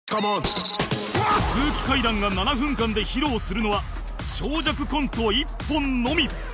空気階段が７分間で披露するのは長尺コント１本のみ